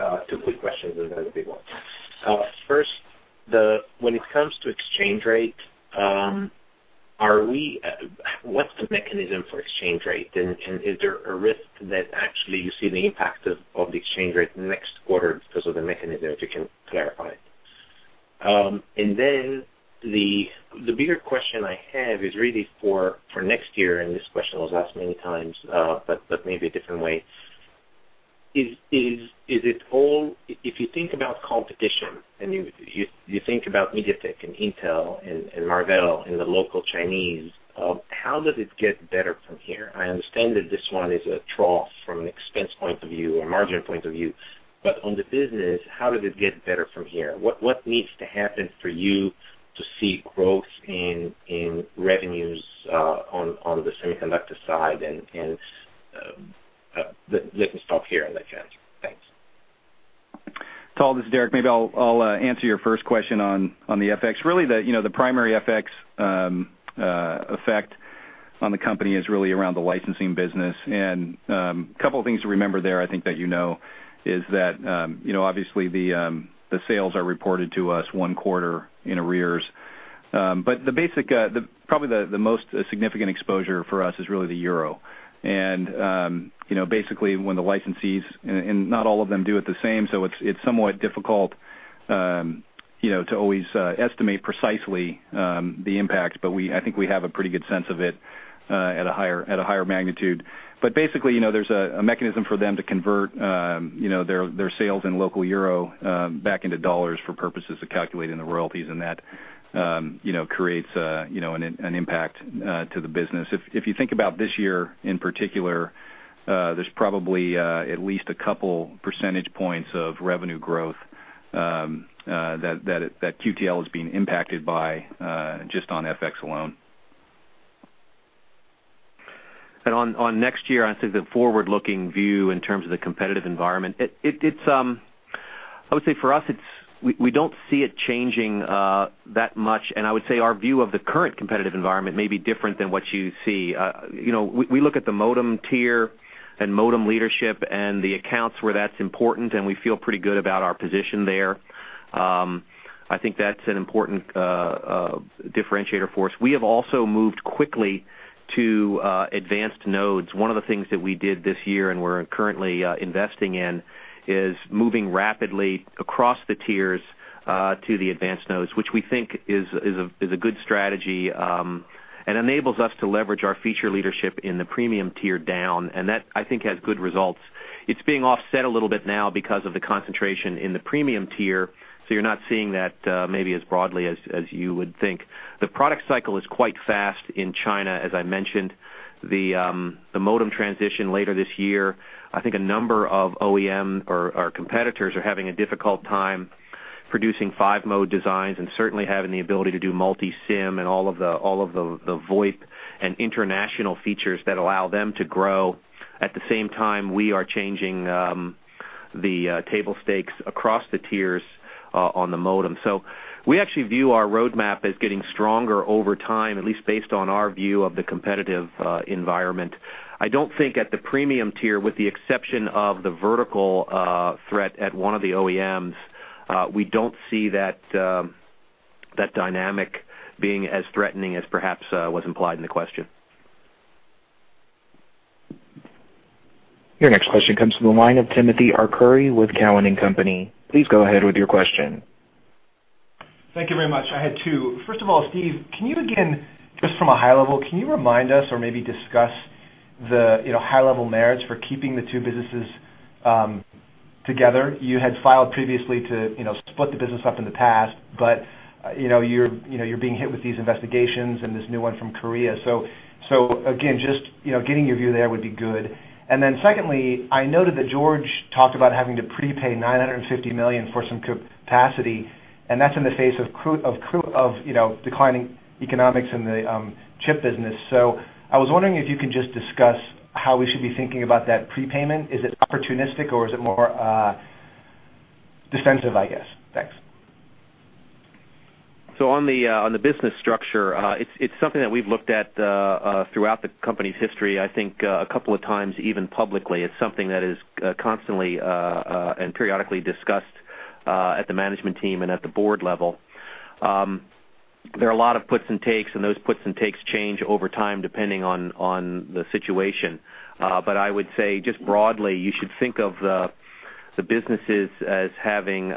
have two quick questions and then a big one. First, when it comes to exchange rate, what's the mechanism for exchange rate and is there a risk that actually you see the impact of the exchange rate next quarter because of the mechanism, if you can clarify? The bigger question I have is really for next year, and this question was asked many times, maybe a different way. If you think about competition and you think about MediaTek and Intel and Marvell and the local Chinese, how does it get better from here? I understand that this one is a trough from an expense point of view or margin point of view, on the business, how does it get better from here? What needs to happen for you to see growth in revenues on the semiconductor side and let me stop here and let you answer. Thanks. Tal, this is Derek. Maybe I'll answer your first question on the FX. Really, the primary FX effect on the company is really around the licensing business. A couple of things to remember there, I think that you know, is that obviously the sales are reported to us one quarter in arrears. Probably the most significant exposure for us is really the euro. Basically when the licensees, and not all of them do it the same, so it's somewhat difficult to always estimate precisely the impact, but I think we have a pretty good sense of it at a higher magnitude. Basically, there's a mechanism for them to convert their sales in local euro back into $ for purposes of calculating the royalties, and that creates an impact to the business. If you think about this year in particular, there's probably at least a couple percentage points of revenue growth that QTL is being impacted by just on FX alone. On next year, I think the forward-looking view in terms of the competitive environment, I would say for us, we don't see it changing that much. I would say our view of the current competitive environment may be different than what you see. We look at the modem tier and modem leadership and the accounts where that's important. We feel pretty good about our position there. I think that's an important differentiator for us. We have also moved quickly to advanced nodes. One of the things that we did this year and we're currently investing in is moving rapidly across the tiers to the advanced nodes, which we think is a good strategy and enables us to leverage our feature leadership in the premium tier down. That I think has good results. It's being offset a little bit now because of the concentration in the premium tier, so you're not seeing that maybe as broadly as you would think. The product cycle is quite fast in China, as I mentioned. The modem transition later this year, I think a number of OEM or our competitors are having a difficult time producing 5-mode designs and certainly having the ability to do multi-SIM and all of the VoLTE and international features that allow them to grow. At the same time, we are changing the table stakes across the tiers on the modem. We actually view our roadmap as getting stronger over time, at least based on our view of the competitive environment. I don't think at the premium tier, with the exception of the vertical threat at one of the OEMs, we don't see that dynamic being as threatening as perhaps was implied in the question. Your next question comes from the line of Timothy Arcuri with Cowen and Company. Please go ahead with your question. Thank you very much. I had two. First of all, Steve, just from a high level, can you remind us or maybe discuss the high-level merits for keeping the two businesses together? You had filed previously to split the business up in the past, but you're being hit with these investigations and this new one from Korea. Again, just getting your view there would be good. Secondly, I noted that George talked about having to prepay $950 million for some capacity, and that's in the face of declining economics in the chip business. I was wondering if you could just discuss how we should be thinking about that prepayment. Is it opportunistic or is it more defensive, I guess? Thanks. On the business structure, it's something that we've looked at throughout the company's history, I think a couple of times even publicly. It's something that is constantly and periodically discussed at the management team and at the board level. There are a lot of puts and takes, and those puts and takes change over time depending on the situation. I would say just broadly, you should think of the businesses as having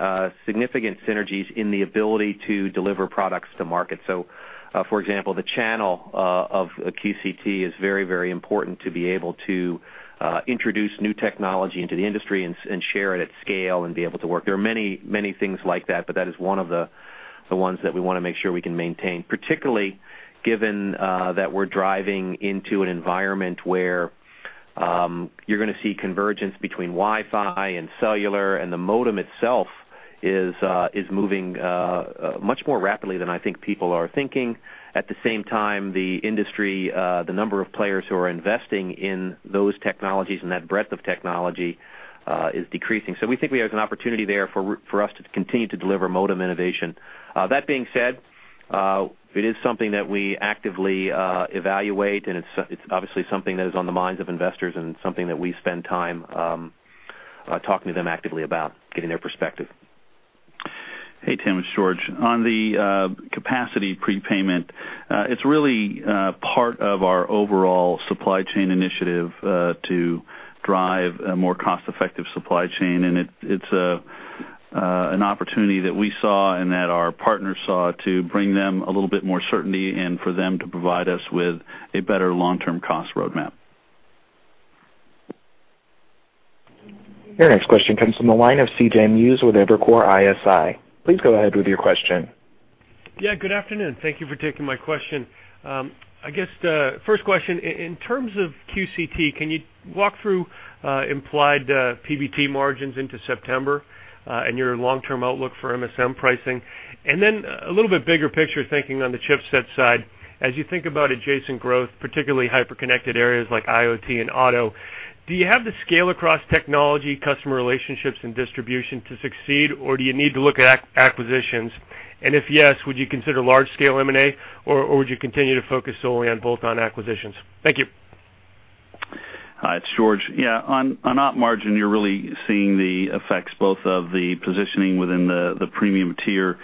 significant synergies in the ability to deliver products to market. For example, the channel of QCT is very important to be able to introduce new technology into the industry and share it at scale and be able to work. There are many things like that, but that is one of the ones that we want to make sure we can maintain, particularly given that we're driving into an environment where you're going to see convergence between Wi-Fi and cellular, and the modem itself is moving much more rapidly than I think people are thinking. At the same time, the industry, the number of players who are investing in those technologies and that breadth of technology is decreasing. We think we have an opportunity there for us to continue to deliver modem innovation. That being said, it is something that we actively evaluate and it's obviously something that is on the minds of investors and something that we spend time talking to them actively about getting their perspective. Hey Tim, it's George. On the capacity prepayment, it's really part of our overall supply chain initiative to drive a more cost-effective supply chain, and it's an opportunity that we saw and that our partners saw to bring them a little bit more certainty and for them to provide us with a better long-term cost roadmap. Your next question comes from the line of C.J. Muse with Evercore ISI. Please go ahead with your question. Good afternoon. Thank you for taking my question. I guess the first question, in terms of QCT, can you walk through implied PBT margins into September and your long-term outlook for MSM pricing? A little bit bigger picture thinking on the chipset side, as you think about adjacent growth, particularly hyper-connected areas like IoT and auto, do you have the scale across technology, customer relationships, and distribution to succeed, or do you need to look at acquisitions? If yes, would you consider large-scale M&A or would you continue to focus solely on bolt-on acquisitions? Thank you. Hi, it's George. On op margin, you're really seeing the effects both of the positioning within the premium tier,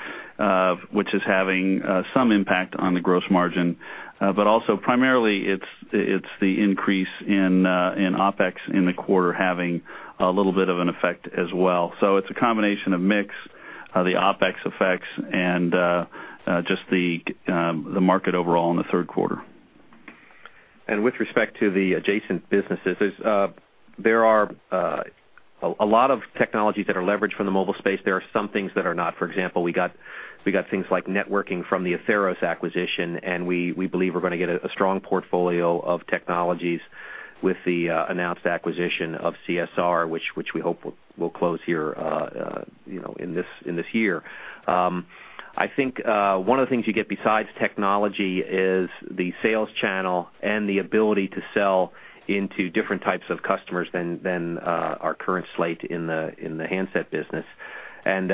which is having some impact on the gross margin, but also primarily it's the increase in OpEx in the quarter having a little bit of an effect as well. It's a combination of mix of the OpEx effects and just the market overall in the third quarter. With respect to the adjacent businesses, there are a lot of technologies that are leveraged from the mobile space. There are some things that are not. For example, we got things like networking from the Atheros acquisition, we believe we're going to get a strong portfolio of technologies with the announced acquisition of CSR, which we hope will close here in this year. I think one of the things you get besides technology is the sales channel and the ability to sell into different types of customers than our current slate in the handset business.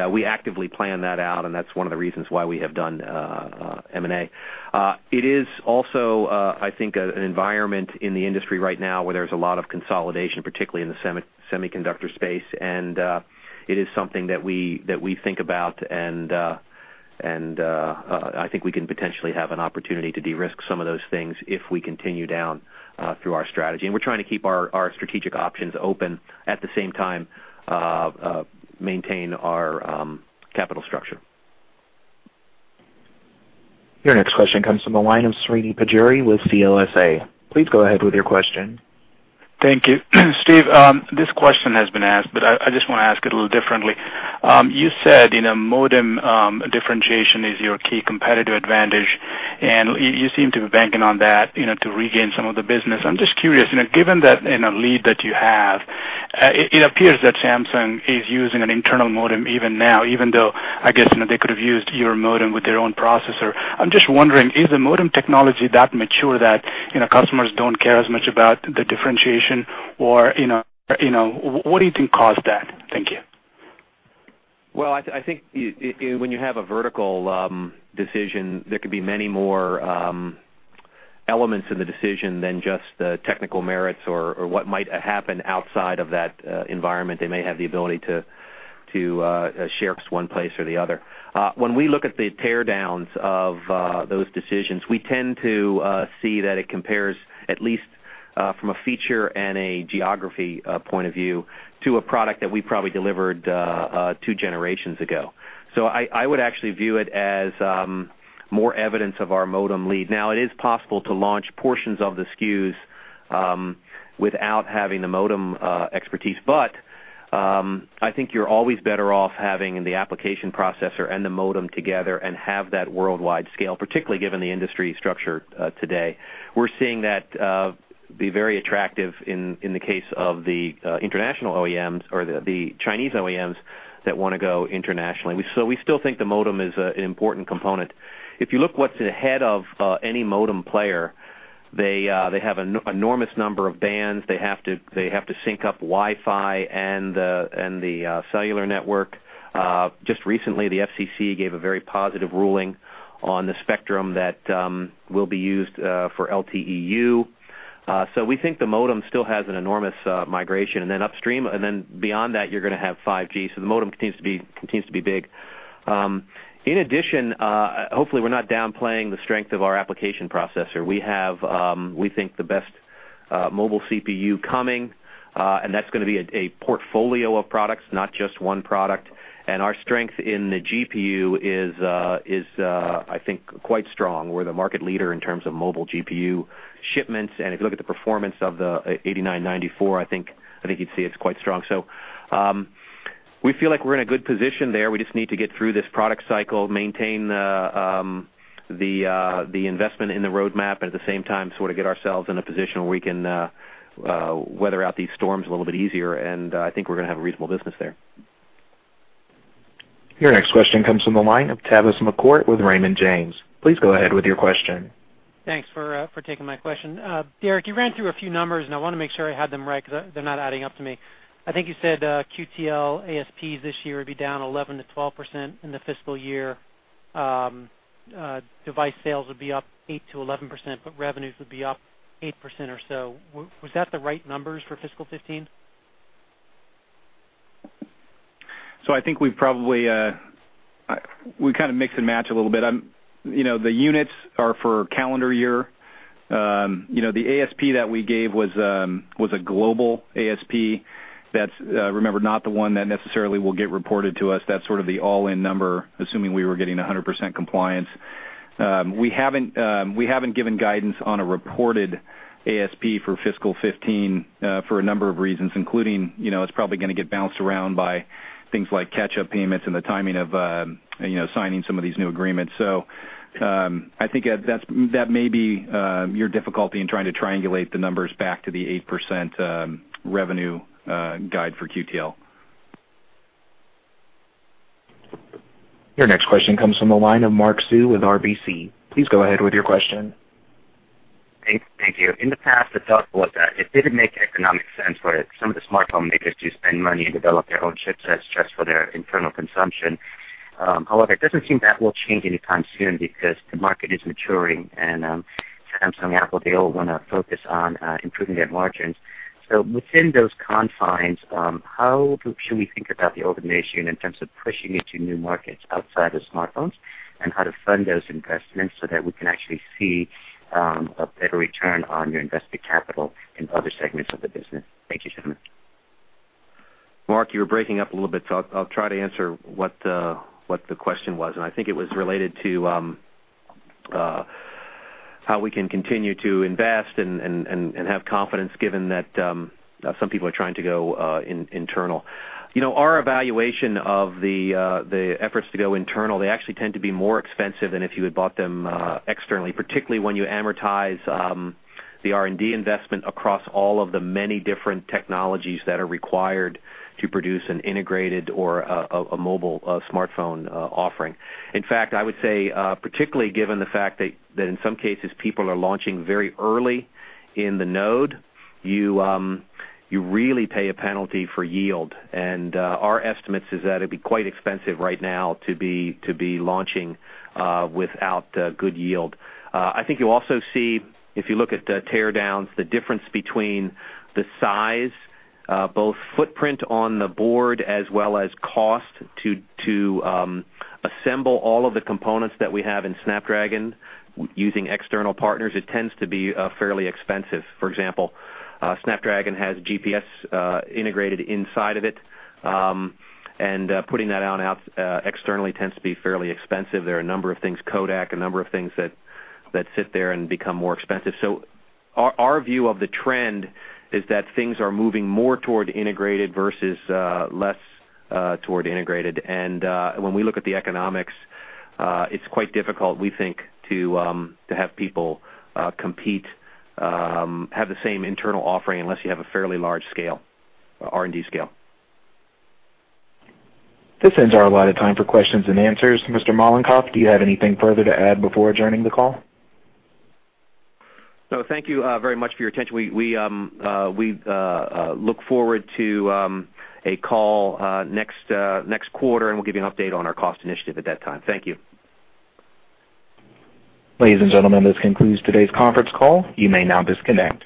We actively plan that out, and that's one of the reasons why we have done M&A. It is also, I think, an environment in the industry right now where there's a lot of consolidation, particularly in the semiconductor space, it is something that we think about and I think we can potentially have an opportunity to de-risk some of those things if we continue down through our strategy. We're trying to keep our strategic options open, at the same time maintain our capital structure. Your next question comes from the line of Srini Pajjuri with CLSA. Please go ahead with your question. Thank you. Steve, this question has been asked, I just want to ask it a little differently. You said modem differentiation is your key competitive advantage, you seem to be banking on that to regain some of the business. I'm just curious, given that lead that you have, it appears that Samsung is using an internal modem even now, even though, I guess, they could have used your modem with their own processor. I'm just wondering, is the modem technology that mature that customers don't care as much about the differentiation or what do you think caused that? Thank you. Well, I think when you have a vertical decision, there could be many more elements in the decision than just the technical merits or what might happen outside of that environment. They may have the ability to share just one place or the other. When we look at the teardowns of those decisions, we tend to see that it compares at least from a feature and a geography point of view to a product that we probably delivered two generations ago. I would actually view it as more evidence of our modem lead. Now, it is possible to launch portions of the SKUs without having the modem expertise. I think you're always better off having the application processor and the modem together and have that worldwide scale, particularly given the industry structure today. We're seeing that be very attractive in the case of the international OEMs or the Chinese OEMs that want to go internationally. We still think the modem is an important component. If you look what's ahead of any modem player, they have an enormous number of bands. They have to sync up Wi-Fi and the cellular network. Just recently, the FCC gave a very positive ruling on the spectrum that will be used for LTE-U. We think the modem still has an enormous migration. Upstream, and then beyond that, you're going to have 5G, so the modem continues to be big. In addition, hopefully we're not downplaying the strength of our application processor. We have, we think, the best mobile CPU coming, and that's going to be a portfolio of products, not just one product. Our strength in the GPU is, I think, quite strong. We're the market leader in terms of mobile GPU shipments. If you look at the performance of the 8994, I think you'd see it's quite strong. We feel like we're in a good position there. We just need to get through this product cycle, maintain the investment in the roadmap, but at the same time, sort of get ourselves in a position where we can weather out these storms a little bit easier. I think we're going to have a reasonable business there. Your next question comes from the line of Tavis McCourt with Raymond James. Please go ahead with your question. Thanks for taking my question. Derek, you ran through a few numbers, and I want to make sure I had them right because they're not adding up to me. I think you said QTL ASPs this year would be down 11%-12% in the fiscal year. Device sales would be up 8%-11%, but revenues would be up 8% or so. Was that the right numbers for fiscal 2015? I think we kind of mix and match a little bit. The units are for calendar year. The ASP that we gave was a global ASP. That's, remember, not the one that necessarily will get reported to us. That's sort of the all-in number, assuming we were getting 100% compliance. We haven't given guidance on a reported ASP for fiscal 2015 for a number of reasons, including it's probably going to get bounced around by things like catch-up payments and the timing of signing some of these new agreements. I think that may be your difficulty in trying to triangulate the numbers back to the 8% revenue guide for QTL. Your next question comes from the line of Mark Sue with RBC. Please go ahead with your question. Thank you. In the past, the thought was that it didn't make economic sense for some of the smartphone makers to spend money and develop their own chipsets just for their internal consumption. It doesn't seem that will change anytime soon because the market is maturing, and Samsung, Apple, they all want to focus on improving their margins. Within those confines, how should we think about the organization in terms of pushing into new markets outside of smartphones and how to fund those investments so that we can actually see a better return on your invested capital in other segments of the business? Thank you, gentlemen. Mark, you were breaking up a little bit, I'll try to answer what the question was, and I think it was related to how we can continue to invest and have confidence given that some people are trying to go internal. Our evaluation of the efforts to go internal, they actually tend to be more expensive than if you had bought them externally, particularly when you amortize the R&D investment across all of the many different technologies that are required to produce an integrated or a mobile smartphone offering. In fact, I would say, particularly given the fact that in some cases, people are launching very early in the node, you really pay a penalty for yield. Our estimate is that it'd be quite expensive right now to be launching without good yield. I think you'll also see, if you look at the teardowns, the difference between the size, both footprint on the board, as well as cost to assemble all of the components that we have in Snapdragon using external partners, it tends to be fairly expensive. For example, Snapdragon has GPS integrated inside of it, and putting that out externally tends to be fairly expensive. There are a number of things, codec, a number of things that sit there and become more expensive. Our view of the trend is that things are moving more toward integrated versus less toward integrated. When we look at the economics, it's quite difficult, we think, to have people compete, have the same internal offering, unless you have a fairly large scale, R&D scale. This ends our allotted time for questions and answers. Mr. Mollenkopf, do you have anything further to add before adjourning the call? No. Thank you very much for your attention. We look forward to a call next quarter, and we'll give you an update on our cost initiative at that time. Thank you. Ladies and gentlemen, this concludes today's conference call. You may now disconnect.